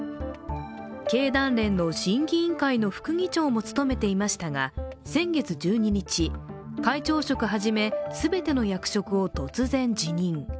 経団連の審議員会の副議長も務めていましたが先月１２日、会長職はじめ全ての役職を突然辞任。